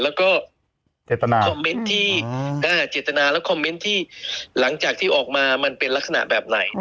แล้วก็คอมเมนต์ที่เจตนาและคอมเมนต์ที่หลังจากที่ออกมามันเป็นลักษณะแบบไหน